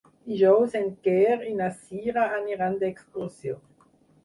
Dijous en Quer i na Cira aniran d'excursió.